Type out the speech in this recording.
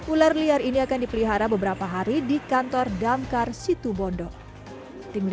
ular liar ini akan dipelihara beberapa hari di kantor damkar situbondo